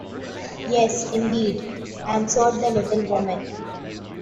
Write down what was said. "Yes, indeed" answered the little woman.